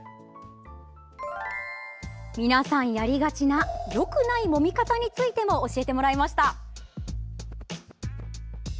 皆さんやりがちなよくないもみ方についても教えてもらいました。